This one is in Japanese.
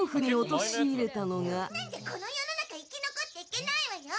そんなんじゃ、この世の中生き残っていけないわよ。